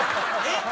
えっ！